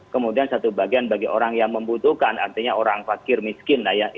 kemudian satu bagian bagi orang yang membutuhkan artinya orang fakir miskin lah ya